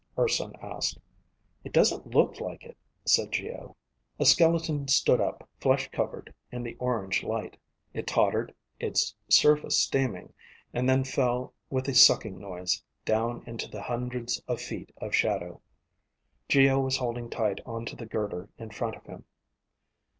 Urson asked. "It doesn't look it," said Geo. A skeleton stood up, flesh covered in the orange light. It tottered, its surface steaming, and then fell with a sucking noise, down into the hundreds of feet of shadow. Geo was holding tight onto the girder in front of him.